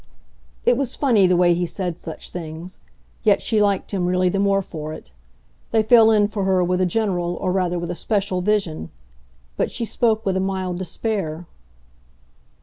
It was funny, the way he said such things; yet she liked him, really, the more for it. They fell in for her with a general, or rather with a special, vision. But she spoke with a mild despair.